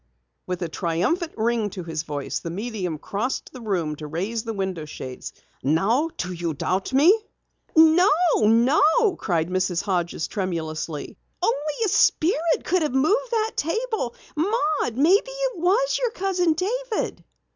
With a triumphant ring to his voice, the medium crossed the room to raise the window shades. "Now do you doubt me?" "No! No!" cried Mrs. Hodges tremulously. "Only a Spirit could have moved that table. Maud, perhaps it was your Cousin David."